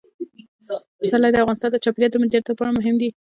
پسرلی د افغانستان د چاپیریال د مدیریت لپاره مهم دي.